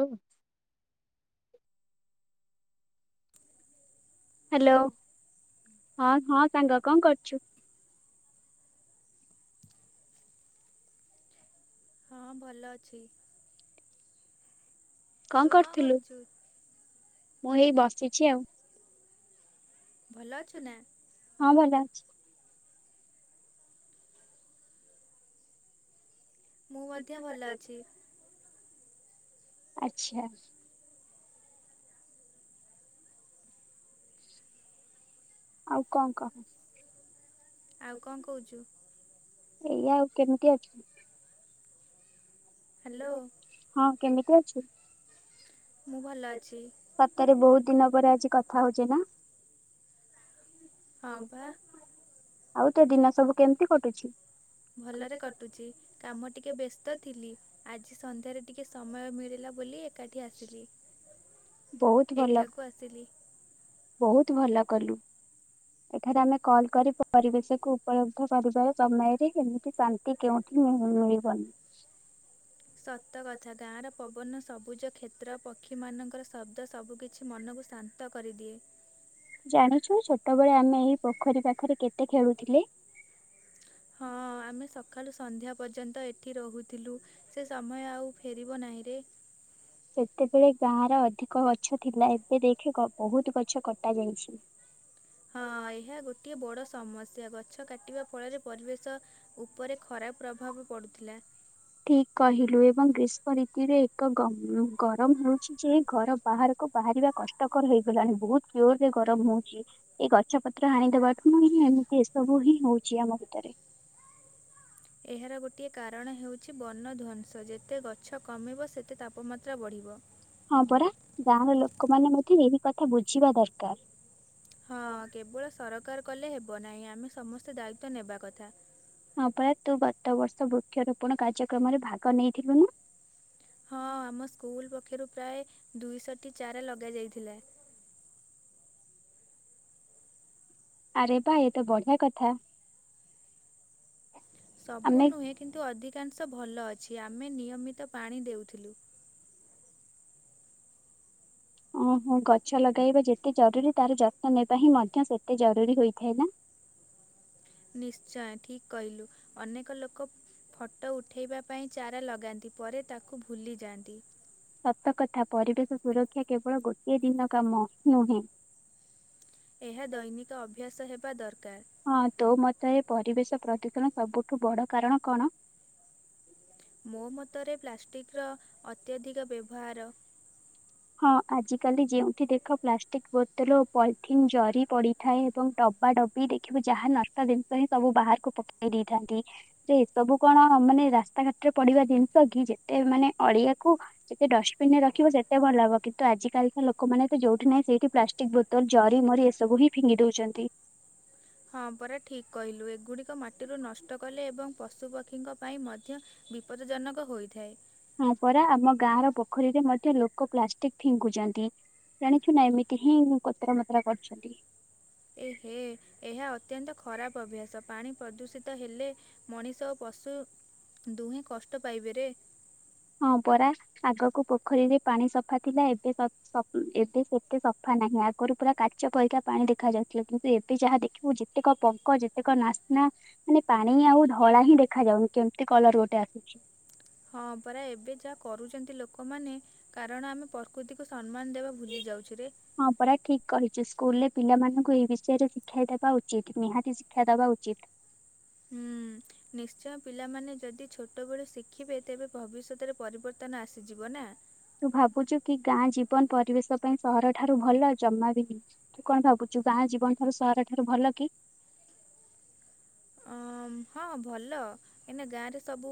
ଆଉ ହ୍ୟାଲୋ ହଁ ହଁ ସାଙ୍ଗ କଣ କରୁଚୁ? ହଁ ଭଲ ଅଛି। ତୁ କଣ କରିଥିଲୁ? କରୁଛୁ ଭଲ ଅଛୁ ନା? ହଁ ଭଲ ଅଛି। ମୁଁ ମଧ୍ୟ ଭଲ ଅଛି। ଆଚ୍ଛା। ଆଉ କଣ କହ? ଆଉ କଣ କହୁଚୁ? ଏଇଆ ଆଉ କେମିତି ଅଛି? ହ୍ୟାଲୋ। ହଁ କେମିତି ଅଛି? ମୁଁ ଭଲ ଅଛି। ସତରେ ବହୁତ ଦିନ ପରେ ଆଜି କଥା ହଉଚେ ନା? ହଁ ପା। ଆଉ ତୋ ଦିନ ସବୁ କେମିତି କଟୁଛିି? ଭଲରେ କଟୁଛି। କାମ ଟିକେ ବ୍ୟସ୍ତ ଥିଲି। ଆଜି ସନ୍ଧ୍ୟାରେ ଟିକେ ସମୟ ମିଳିଲା ବୋଲି ଏକାଠି ଆସିଲି ବହୁତ ଭଲ ଏଠାକୁ ଆସିଲି। ବହୁତ ଭଲ କଲୁ। ଏଠାରେ ଆମେ କଲ୍ କରି ପରିବେଶକୁ ଉପଲବ୍ଧ କରିବାର ସମୟରେ ଏମିତି ଶାନ୍ କି କେଉଁଠି ମିଳିବନି। ସତକଥା ଗାଁର ପବନ ସବୁଜ କ୍ଷେତ୍ର ପକ୍ଷୀମାନଙ୍କର ଶବ୍ଦ ସବୁକିଛି ମନକୁ ଶାନ୍ତ ନ୍ତ କରିଦିଏ। ଜାଣିଛୁ ଛୋଟବେଳେ ଆମେ ଏଇ ପୋଖରୀ ପାଖରେ କେତେ ଖେଳୁଥିଲେ? ହଁ ଆମେ ସକାଳୁ ସନ୍ଧ୍ୟା ପର୍ଯ୍ୟନ୍ତ ଏଠି ରହୁଥିଲୁ। ସେ ସମୟ ଆଉ ଫେରିବ ନାହିଁ ରେ। ସେତେବେଳେ ଗାଁରେ ଅଧିକ ଗଛ ଥିଲା। ଏବେ ଦେଖ ଗ ବହୁତ ଗଛ କଟାଯାଇଛି। ହଁ ଏହା ଗୋଟିଏ ବଡ ସମସ୍ୟା ଗଛ କାଟିବା ଫଳରେ ପରିବେଶ ଉପରେ ଖରାପ ପ୍ରଭାବ ପଡ଼ୁଥିଲା। ଠିକ କହିଲୁ ଏବଂ ଗ୍ରୀଷ୍ମ ଋତୁରେ ଏକ ଗମ୍ ଗରମ ହେଉଛି। ଯେ ଘର ବାହାରକୁ ବାହାରିବା କଷ୍ଟକର ହେଇଗଲାଣି। ବହୁତ ଜୋର ରେ ଗରମ ହଉଛି। ଏଇ ଗଛ ପତ୍ର ହାଣିଦବା ଠୁ ହିଁ ଏମିତି ଏସବୁ ହିଁ ହଉଛି ଆମ ଭିତରେ। ଏହାର ଗୋଟିଏ କାରଣ ହେଉଛି ବଣଧ୍ୱଂସ ଯେତେ ଗଛ କମିବ ସେତେ ତାପମାତ୍ରା ବଢ଼ିବ। ହଁ ପରା ଗାଁ ର ଲୋକମାନେ ମଧ୍ୟ ଏହି କଥା ବୁଝିବା ଦରକାର। ହଁ କେବଳ ସରକାର କଲେ ହେବ ନାହିଁ। ଆମେ ସମସ୍ତେ ଦାୟିତଵ ନେବା କଥା। ହଁ ପରା ତୁ ଗତ ବର୍ଷ ବୃକ୍ଷରୋପଣ କାର୍ଯ୍ୟକ୍ରମରେ ଭାଗ ନେଇଥିଲୁନୁ। ହଁ ଆମ ସ୍କୁଲ ପକ୍ଷରୁ ପ୍ରାୟ ଦୁଇଶହଟି ଚାରା ଲଗାଯାଇଥିଲା। ଆରେ ବା ଏତ ବଢିଆ କଥା। ସବୁ ଆମେ ନୁହେଁ କିନ୍ତୁ ଅଧିକାଂଶ ଭଲ ଅଛି ଆମେ ନିୟମିତ ପାଣି ଦେଉଥିଲୁ। ଓହୋ ଗଛ ଲଗାଇବା ଯେତେ ଜରୁରୀ ତାର ଯତ୍ନ ନେବା ହିଁ ମଧ୍ୟ ସେତେ ଜରୁରୀ ହୋଇଥାଏ ନା। ନିଶ୍ଚୟ ଠିକ କହିଲୁ ଅନେକ ଲୋକ ଫଟୋ ଉଠାଇବା ପାଇଁ ଚାରା ଲଗାନ୍ତି ପରେ ତାକୁ ଭୁଲିଯାଆନ୍ତି। ସତକଥା ପରିବେଶ ସୁରକ୍ଷା କେବଳ ଗୋଟିଏ ଦିନ କାମ ହଁ ନୁହେଁ। ଏହା ଦୈନିକ ଅଭ୍ୟାସ ହେବା ଦରକାର। ହଁ ତୋ ମତ ଏ ପରିବେଶ ପ୍ରଦୂଷଣ ସବୁଠୁ ବଡ କାରଣ କଣ? ମୋ ମତରେ ପ୍ଲାଷ୍ଟିକ୍ର ଅତ୍ୟଧିକ ବ୍ୟବହାର। ହଁ ଆଜିକାଲି ଯେଉଁଠି ଦେଖ ପ୍ଲାଷ୍ଟିକ ବୋତଲ ପଲିଥିନ୍ ଜରି ପଡି ଥାଏ ଏବଂ ଡବା ଡବି ଦେଖିବୁ ଯାହା ନାସ୍ତା ଜିନିଷ ହିଁ ସବୁ ବାହାରକୁ ପକେଇ ଦେଇଥାନ୍ତି। ଯେ ଏ ସବୁ କଣ ମାନେ ରାସ୍ତାଘାଟରେ ପଡିବା ଜିନିଷ କି ଯେତେ ମାନେ ଅଳିଆକୁ ଯେତେ ଡଷ୍ଟବିନ ରେ ରଖିବ ସେ ଏତେ ଭଲ ହବ କିନ୍ତୁ ଆଜିକାଲିର ଲୋକମାନେ ତ ଯୋଉଠି ନାହିଁ ସେଇଠି ପ୍ଲାଷ୍ଟିକ ବୋତଲ ଜରି ମରି ଏସବୁ ହିଁ ଫିଙ୍ଗି ଦଉଛନ୍ତି। ହଁ ପରା ଠିକ୍ କହିଲୁ। ଏଗୁଡ଼ିକ ମାଟିରୁ ନଷ୍ଟ କଲେ ଏବଂ ପଶୁ ପକ୍ଷୀଙ୍କ ପାଇଁ ମଧ୍ୟ ବିପଦଜନକ ହୋଇଥାଏ। ହ ପରା ଆମ ଗାଁ ର ପୋଖରୀରେ ମଧ୍ୟ ଲୋକ ପ୍ଲାଷ୍ଟିକ ଫିଙ୍ଗୁଛନ୍ତି। ଜାଣିଛୁ ନା ଏମିତି ହିଁ କୋତରା ମତରା କରୁଛନ୍ତି। ଏହେ ଏହା ଅତ୍ୟନ୍ତ ଖରାପ ଅଭ୍ୟାସ ପାଣି ପ୍ରଦୂଷିତ ହେଲେ ମଣିଷ ଓ ପଶୁ ଦୁହେଁ କଷ୍ଟ ପାଇବେରେ। ହଁ ପରା ଆଗକୁ ପୋଖରୀରେ ପାଣି ସଫା ଥିଲା ଏବେ ସଫ ଏବେ ସେତେ ସଫା ନାହିଁ ଆଗରୁ ପୁରା କାଚ ପରିକା ପାଣି ଦେଖା ଯାଉଥିଲା କିନ୍ତୁ ଏ ଯାହା ଦେଖିବୁ ଯେତେକ ପଙ୍କ ଯେତେକ ନାସ୍ନା ମାନେ ପାଣି ଆଉ ଧଳା ହିଁ ଦେଖାଯାଉନି କେମିତି କଲର ଗୋଟେ ଆସୁଛି। ହଁ ପରା ଏବେ ଯାହା କରୁଛନ୍ତି ଲୋକମାନେ କାରଣ ଆମେ ପ୍ରକୃତିକୁ ସମ୍ମାନ ଦେବା ଭୁଲି ଯାଉଛୁ ରେ। ହଁ ପରା ଠିକ କହିଛୁ ସ୍କୁଲ ରେ ପିଲାମାନଙ୍କୁ ଏ ବିଷୟରେ ଶିଖାଇ ଦେବା ଉଚିତ୍ ନିହାତି ଶିକ୍ଷା ଦବା ଉଚିତ୍। ହୁଁ। ନିଶ୍ଚୟ ପିଲାମାନେ ଯଦି ଛୋଟବେଳୁ ଶିଖିବେ ତେବେ ଭବିଷ୍ୟତରେ ପରିବର୍ତ୍ତନ ଆସିଯିବ ନା। ତୁ ଭାବୁଚୁ କି ଗାଁ ଜୀବନ ପରିବେଶ ପାଇଁ ସହର ଠାରୁ ଭଲ ଜମା ବି ନୁହେଁ। ତୁ କଣ ଭାବୁଛୁ ଗାଁ ଜୀବନ ଠାରୁ ସହର ଠାରୁ ଭଲ କି? ହଁ ଭଲ କାହିଁକିନା ଗାଁରେ ସବୁ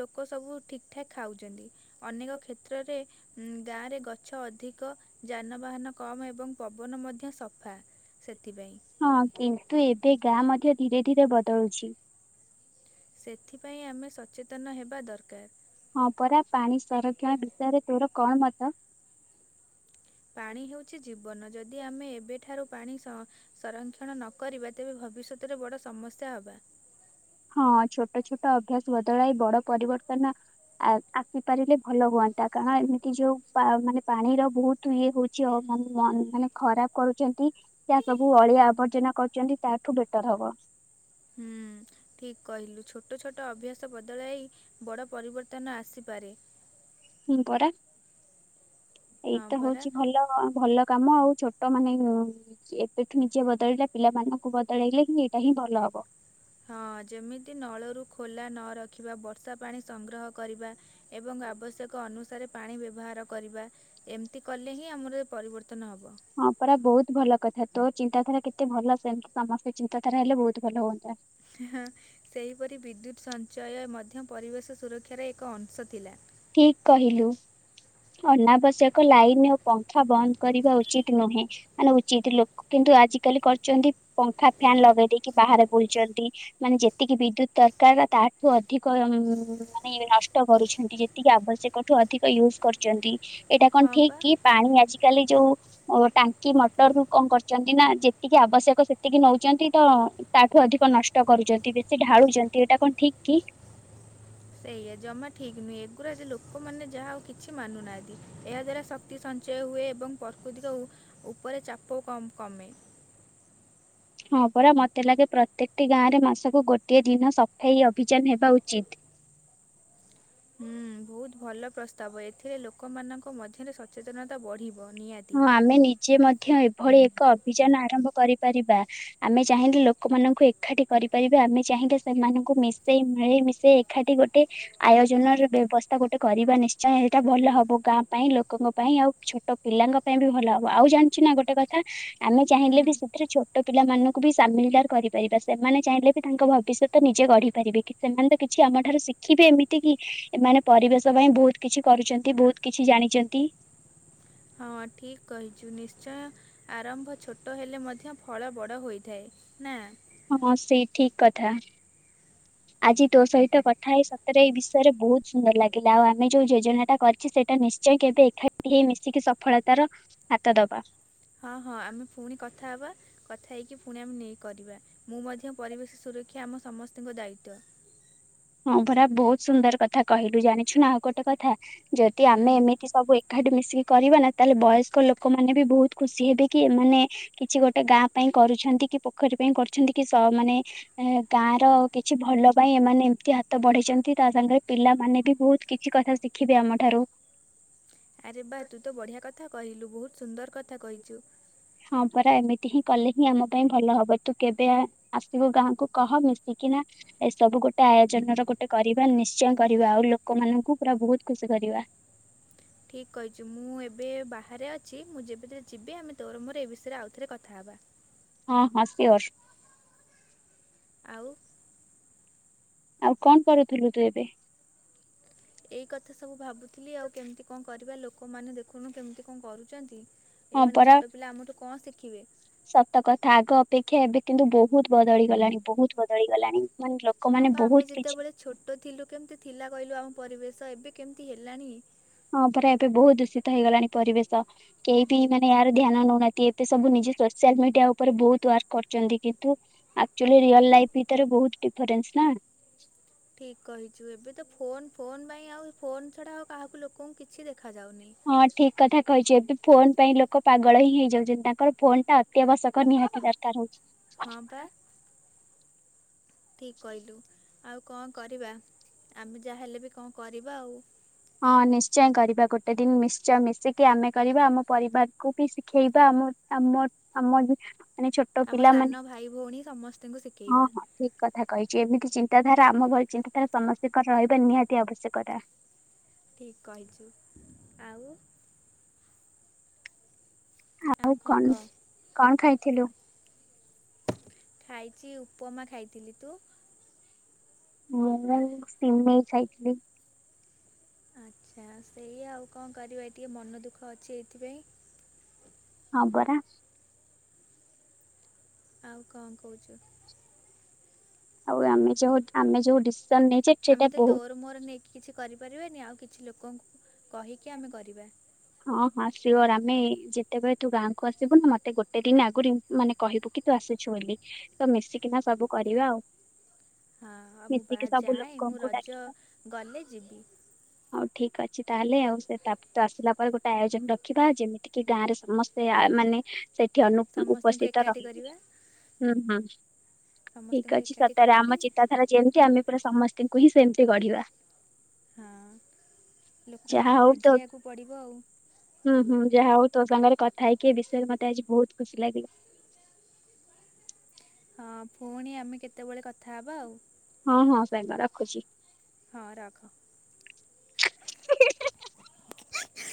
ଲୋକ ସବୁ ଠିକ ଠାକ୍ ଖାଉଛନ୍ତି। ଅନେକ କ୍ଷେତ୍ରରେ ଉଁ ଗାଁରେ ଗଛ ଅଧିକ ଯାନବାହାନ କମ୍ ଏବଂ ପବନ ମଧ୍ୟ ସଫା। ସେଥିପାଇଁ। ହଁ କିନ୍ତୁ ଏବେ ଗାଁ ମଧ୍ୟ ଧୀରେ ଧୀରେ ବଦଳୁଛି। ସେଥିପାଇଁ ଆମେ ସଚେତନ ହେବା ଦରକାର। ହଁ ପରା ପାଣି ସଂରକ୍ଷଣ ବିଷୟରେ ତୋର କଣ ମତ? ପାଣି ହେଉଛି ଜୀବନ ଯଦି ଆମେ ଏବେଠାରୁ ପାଣି ସ ସଂରକ୍ଷଣ ନକରିବା ତେବେ ଭବିଷ୍ୟତରେ ବଡ଼ ସମସ୍ୟା ହେବା। ହଁ ଛୋଟ ଛୋଟ ଅଭ୍ୟାସ ବଦଳାଇ ବଡ ପରିବର୍ତ୍ତନ ଆ ଆସିପାରିଲେ ଭଲ ହୁଅନ୍ତା କାରଣ ଏମିତି ଯୋଉ ପା ମାନେ ପାଣିର ବହୁତ ତୁ ଇଏ ହେଉଛି ମ ମାନେ ଖରାପ କରୁଛନ୍ତି। ଯାହା ସବୁ ଅଳିଆ ଆବର୍ଜନା କରୁଛନ୍ତି ତାଠୁ ବେଟର ହବ। ହୁଁ। ଠିକ୍ କହିଲୁ ଛୋଟ ଛୋଟ ଅଭ୍ୟାସ ବଦଳାଇ ବଡ଼ ପରିବର୍ତ୍ତନ ଆସିପାରେ। ହୁଁ ପରା ହଁ ଏଇତ ପରା। ହଉଛି ଭଲ ଅ ଭଲ କାମ ଆଉ ଛୋଟ ମାନେ ଉଁ ଏବେଠୁ ନିଜେ ବଦଳିଲେ ପିଲାମାନଙ୍କୁ ବଦଳେଇଲେ ଏଇଟା ହିଁ ଭଲ ହବ। ହଁ ଯେମିତି ନଳରୁ ଖୋଲା ନ ରଖିବା ବର୍ଷା ପାଣି ସଂଗ୍ରହ କରିବା। ଏବଂ ଆବଶ୍ୟକ ଅନୁସାରେ ପାଣି ବ୍ୟବହାର କରିବା। ଏମିତି କଲେ ହିଁ ଆମର ପରିବର୍ତ୍ତନ ହେବ। ହଁ ପରା ବହୁତ ଭଲ କଥା ତୋ ଚିନ୍ତାଧାରା କେତେ ଭଲ ସେମିତି ସମସ୍ତେ ଚିନ୍ତାଧାରା ହେଲେ ବହୁତ ଭଲ ହୁଅନ୍ତା। ହ ସେହିପରି ବିଦ୍ୟୁତ୍ ସଞ୍ଚୟ ମଧ୍ୟ ପରିବେଶ ସୁରକ୍ଷାର ଏକ ଅଂଶ ଥିଲା। ଠିକ୍ କହିଲୁ। ଅନାବଶ୍ୟକ ଲାଇନ ଓ ପଙ୍ଖା ବନ୍ଦ କରିବା ଉଚିତ ନୁହେଁ। ମାନେ ଉଚିତ ଲୋକ କିନ୍ତୁ ଆଜିକାଲି କରୁଛନ୍ତି ପଙ୍ଖା ଫ୍ୟାନ ଲଗେଇ ଦେଇକି ବାହାରେ ବୁଲଛନ୍ତି। ମାନେ ଯେତିକି ବିଦ୍ୟୁତ ଦରକାର ତାଠୁ ଅଧିକ ମାନେ ନଷ୍ଟ କରୁଛନ୍ତି। ଟିକେ ଆବଶ୍ୟକଠୁ ଅଧିକ ୟୁଜ କରୁଛନ୍ତି ଏଇଟା କଣ ହଁ ଠିକ୍ ପା। କି ପାଣି ଆଜିକାଲି ଯୋଉ ଓ ଟାଙ୍କି ମଟରରୁୁ କଣ କରିଛନ୍ତି ନା ଯେତିକି ଆବଶ୍ୟକ ସେତିକି ନଉଛନ୍ତି ତ ତାଠୁ ଅଧିକ ନଷ୍ଟ କରୁଛନ୍ତି ବେଶୀ ଢାଳୁଛନ୍ତି ଏଇଟା କଣ ଠିକ୍ କି? ସେଇଆ ଜମା ଠିକ୍ ନୁହେ ଏଗୁୁରା ଏଠି ଲୋକମାନେ ଯାହା ଆଉ କିଛି ମାନୁନାହାନ୍ତି ଏହା ଦ୍ଵାରା ଶ କ୍ତି ସଞ୍ଚୟ ହୁଏ ଏବଂ ପ୍ରକୃତିର ଉପରେ ଚାପ କ-କମେ। ହଁ ପରା ମୋତେ ଲାଗେ ପ୍ରତ୍ୟେକଟି ଗାଁରେ ମାସକୁ ଗୋଟିଏ ଦିନ ସଫେଇ ଅଭିଯାନ ହେବା ଉଚିତ। ହୁଁ ବହୁତ ଭଲ ପ୍ରସ୍ତାବ ଏଥିରେ ଲୋକମାନଙ୍କ ମଧ୍ୟରେ ସଚେତନତା ବଢିବ ନିହାତି। ହଁ ଆମେ ନିଜେ ମଧ୍ୟ ଏଭଳି ଏକ ଅଭିଯାନ ଆରମ୍ଭ କରିପାରିବା। ଆମେ ଚାହିଁଲେ ଲୋକମାନଙ୍କୁ ଏକାଠି କରିପାରିବା ଆମେ ଚାହିଁଲେ ସେମାନଙ୍କୁ ମିଶେଇ ମିଳେଇ ମିଶେଇ ଏକାଠି ଗୋଟେ ଆୟୋଜନର ବ୍ୟବସ୍ଥା ଗୋଟେ କରିବା ନିଶ୍ଚୟ ସେଇଟା ଭଲ ହବ ଗାଁ ପାଇଁ ଲୋକଙ୍କ ପାଇଁ ଆଉ ଛୋଟ ପିଲାଙ୍କ ପାଇଁ ବି ଭଲ ହବ। ଆଉ ଜାଣିଚୁ ନା ଗୋଟେ କଥା‌। ଆମେ ହୁଁ ଚାହିଁଲେ ବି ସେଥିରେ ଛୋଟ ପିଲାମାନଙ୍କୁ ବି ସାମିଲଦାର କରିପାରିବା ସେମାନେ ଚାହିଁଲେ ବି ତାଙ୍କ ଭବିଷ୍ୟତ ତ ନିଜେ ଗଢି ପାରିବେ କି ସେମାନେ ତ କିଛି ଆମଠାରୁ ଶିଖିବେ ଏମିତି କି ଏମାନେ ପରିବେଶ ପାଇଁ ବହୁତ କିଛି କରୁଛନ୍ତି ବହୁତ କିଛି ଜାଣିଛନ୍ତି। ହଁ ଠିକ କହିଛୁ ନିଶ୍ଚୟ। ଆରମ୍ଭ ଛୋଟ ହେଲେ ମଧ୍ୟ ଫଳ ବଡ଼ ହୋଇଥାଏ ନା। ହଁ ସେଇ ଠିକ୍ କଥା। ଆଜି ତୋ ସହିତ କଥା ହେଇ ସତରେ ଏଇ ବିଷୟରେ ବହୁତ ସୁନ୍ଦର ଲାଗିଲା ଆଉ ଆମେ ଯୋଉ ଯୋଜନାଟା କ ସେଇଟା ନିଶ୍ଚୟ କେବେ ଏକାଠି ହେଇ ମିଶିକି ସଫଳତାର ହାତ ଦବା। ହଁ ହଁ ଆମେ ପୁଣି କଥା ହବା। କଥା ହେଇକି ପୁଣି ଆମେ ନେଇକି କରିବା ମୁଁ ମଧ୍ୟ ପରିବେଶ ସୁରକ୍ଷା ଆମ ସମସ୍ତଙ୍କ ଦାୟିତ୍ବ। ହଁ ପରା ବହୁତ ସୁନ୍ଦର କଥା କହିଲୁ ଜାଣିଛୁ ନା ଆଉ ଗୋଟେ କଥା ଯଦି ହୁଁ ଆମେ ଏମିତି ସବୁ ଏକାଠି ମିଶିକି କରିବା ନା ତାହେଲେ ବୟସ୍କ ଲୋକମାନେ ବି ବହୁତ ଖୁସି ହେବେ କି ଏମାନେ କିଛି ଗୋଟେ ଗାଁ ପାଇଁ କରୁଛନ୍ତି କି ପୋଖରୀ ପାଇଁ କରୁଛନ୍ତି କି ସ ମାନେ ଏ ଗାଁ ର କିଛି ଭଲ ପାଇଁ ଏମାନେ ଏମତି ହାତ ବଢେଇଛନ୍ତି ତା ସାଙ୍ଗେରେ ପିଲାମାନେ ବି ବହୁତ୍ କିଛି କଥା ଶିଖିବେ ଆମଠାରୁ। ଆରେ ବାଃ ତୁ ତ ବଢ଼ିଆ କଥା କହିଲୁ ବହୁତ ସୁନ୍ଦର କଥା କହିଛୁ। ହଁ ପରା ଏମିତି ହିଁ କଲେ ହିଁ ଆମ ପାଇଁ ଭଲ ହବ ତୁ କେବେ ଆ। ଆସିବୁ ଗାଁକୁ କହ ମିଶିକିନା ଏସବୁ ଗୋଟେ ଆୟୋଜନ ର ଗୋଟେ କରିବା ନିଶ୍ଚୟ କରିବା ଆଉ ଲୋକମାନଙ୍କୁ ପୁରା ବହୁତ୍ ଖୁସି କରିବା। ଠିକ୍ କହିଛୁ ମୁଁ ଏବେ ବାହାରେ ଅଛି ମୁଁ ଯେବେଥିରେ ଯିବି ଆମେ ତୋର ମୋର ଏ ବିଷୟରେ ଆଉଥରେ କଥା ହେବା। ହଁ ହଁ ସିଓର୍। ଆଉ? ଆଉ କଣ କରୁଥିଲୁ ତୁ ଏବେ? ଏଇ କଥା ସବୁ ଭାବୁଥିଲି ଆଉ କେମିତି କଣ କରିବା ଲୋକମାନେ ଦେଖୁନୁ କେମିତି କଣ କରୁଚନ୍ତି। ହଁ ଏମାନେ ପରା ଛୋଟ ପିଲା ଆମ ଠୁ କଣ ଶିଖିବେ? ସତ କଥା ଆଗ ଅପେକ୍ଷା ଏବେ କିନ୍ତୁ ବହୁତ୍ ବଦଳି ଗଲାଣି ବହୁତ୍ ବଦଳି ଗଲାଣି। ମାନେ ହଁ ଲୋକମାନେ ବା ଆମେ ବହୁତ୍ କିଛି ଯେତେବେଳେ ଛୋଟ ଥିଲୁ କେମିତି ଥିଲା କହିଲୁ ଆମ ପରିବେଶ ଏବେ କେମିତି ହେଲାଣି। ହଁ ପରା ଏବେ ବହୁତ୍ ଦୂଷିତ ହେଇଗଲାଣି ପରିବେଶ। କେହି ବି ମାନେ ଏହାର ଧ୍ୟାନ ନଉ ନାହାଁନ୍ତି ଏତେ ସବୁ ନିଜେ ସୋସିଆଲ୍ ମିଡିଆ ଉପରେ ବହୁତ୍ ୱାର୍କ କରିଛନ୍ତି କିନ୍ତୁ ଆକକ୍ଚୋଲି ରିଅଲ୍ ଲାଇଫ୍ ଭିତରେ ବହୁତ୍ ଡିଫରେନ୍ସ ନାଁ? ଠିକ୍ କହିଛୁ ଏବେ ତ ଫୋନ୍ ଫୋନ୍ ପାଇଁ ଆଉ ଫୋନ୍ ଛଡା ଆଉ କାହାକୁ ଲୋକଙ୍କୁ କିଛି ଦେଖା ଯାଉନି। ହଁ ଠିକ୍ କଥା କହିଛୁ ଏବେ ଫୋନ୍ ପାଇଁ ଲୋକ ପାଗଳ ହିଁ ହେଇଯାଉଛନ୍ତି ତାଙ୍କର ଫୋନ୍ ଟା ଅତି ଆବଶ୍ୟକ ନିହାତି ଦରକାର୍ ହଉଛି। ହଁ ବା ଠିକ୍ କହିଲୁ ଆଉ କଣ କରିବା ଆମେ ଯାହା ହେଲେ ବି କଣ କରିବା ଆଉ। ହଁ ନିଶ୍ଚୟ କରିବା ଗୋଟେ ଦିନି ନିଶ୍ଚୟ ମିଶିକି ଆମେ କରିବା ଆମ ପରିବାରକୁ ବି ଶିଖେଇବା ଆମ ଆମ ଆମ ଯେ ଆମ ସାନ ଭାଇ ଭଉଣୀ ସମସ୍ତଙ୍କୁ ଶିକେଇବା। ଠିକ୍ କଥା କହିଛି ଏମିତି ଚିନ୍ତାଧାରା ଆମ ଭଳି ଚିନ୍ତାଧାରା ସମସ୍ତିଙ୍କର ରହିବା ନିହାତି ଆବଶ୍ୟକତା। ଠିକ୍ କହିଛୁ ଆଉ? ଆଉ କଣ କଣ ଖାଇଥିଲୁ? ଖାଇଚି ଉପମା ଖାଇଥିଲି ତୁ? ମୁଁ ସିମେଇଁ ଖାଇଥିଲି। ଆଚ୍ଛା ସେଇଆ ଆଉ କଣ କରିବା ଟିକେ ମନ ଦୁଃଖ ଅଛି ଏଇଥିପାଇଁ। ହଁ ବରା। ଆଉ କଣ କହୁଛୁ? ଆଉ ଆମେ ଯୋହୁ ଆମେ ଯୋଉ ଡିସିସନ୍ ନେଇଛେ ସେଇଟା ଆମେ ତ ବହୁତ ତୋର ମୋର ନେଇକି କିଛି କରିପାରିବାନି ଆଉ କିଛି ଲୋକଙ୍କୁ କହିକି ଆମେ କରିବା। ହଁ ହଁ ସିଓର୍ ଆମେ ଯେତେବେଳେ ତୁ ଗାଁକୁ ଆସିବୁ ନା ମତେ ଗୋଟେ ଦିନି ଆଗରୁ ଇ ମାନେ କହିବୁ କି ତୁ ଆସୁଛୁ ବୋଲି ତ ମିଶିକିନା ସବୁ କରିବା ଆଉ। ହଁ ଆଉ ମୁଁ ବା ମିଶିକି ସବୁ ଯାଏ ମୁଁ ଲୋକଙ୍କୁ ରଜ ଡାକିବା ଗଲେ ଯିବି। ହଉ ଠିକ୍ ଅ ଛି ତାହେଲେ ଆଉ ସେ ତାପ ତୁ ଆସିଲା ପରେ ଗୋଟେ ଆୟୋଜନ ରଖିବା ଯେମିତି କିି ଗାଁ ରେ ସମସ୍ତେ ଆ ମାନେ ସେଠି ଅନୁ ସମସ୍ତଙ୍କୁ ଉପସ୍ଥିତ ଏକାଠି ରହିବେ କରିବା ହୁଁ ହୁଁ। ଠିକ୍ ସମସ୍ତଙ୍କୁ ଅଛି ଏକାଠି ସତରେ କରିକି ଆମ ଚିତାଧାରା ଯେମତି ଆମେ ପୁରା ସମସ୍ତଙ୍କୁ ହିଁ ସେମତି ଗଢିବା। ହଁ ଯାହା ଲୋକମାନଙ୍କୁ ହଉ ତୋ ବୁଝେଇବାକୁ ପଡ଼ିବ ଆଉ। ହୁଁ ହୁଁ ଯାହା ହଉ ତୋ ସାଙ୍ଗରେ କଥା ହେଇକି ଏ ବିଷୟରେ ମତେ ଆଜି ବହୁତ୍ ଖୁସି ଲାଗିଲା। ହଁ ଫୁଣି ଆମେ କେତବେଳେ କଥା ହବା ଆଉ। ହଁ ହଁ ସାଙ୍ଗ ରଖୁଛି। ହଁ ରଖ। [inaudible]